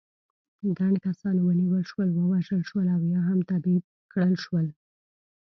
ګڼ کسان ونیول شول، ووژل شول او یا هم تبعید کړل شول.